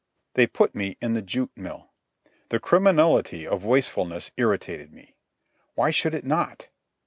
They put me in the jute mill. The criminality of wastefulness irritated me. Why should it not?